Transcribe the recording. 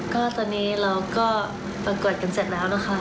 ก็ตอนนี้เราก็ประกวดกันเสร็จแล้วนะคะ